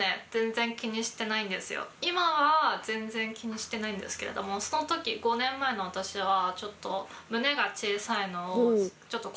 今は全然気にしてないんですけれどもその時５年前の私はちょっと。